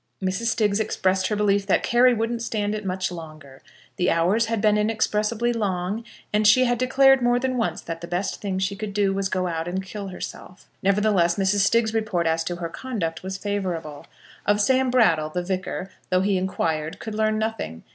Mrs. Stiggs expressed her belief that Carry wouldn't stand it much longer. The hours had been inexpressibly long, and she had declared more than once that the best thing she could do was to go out and kill herself. Nevertheless, Mrs. Stiggs's report as to her conduct was favourable. Of Sam Brattle, the Vicar, though he inquired, could learn nothing.